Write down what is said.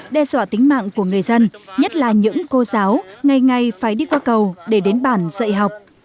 đe dọa tính mạng của người dân nhất là những cô giáo ngày ngày phải đi qua cầu để đến bản dạy học